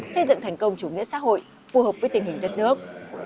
xây dựng thành công chủ nghĩa xã hội phù hợp với tình hình đất nước